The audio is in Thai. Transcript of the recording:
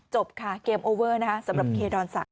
จบค่ะเกมโอเวอร์นะครับสำหรับเครดรสัตว์